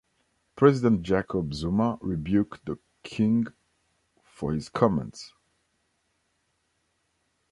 President Jacob Zuma rebuked the king for his comments.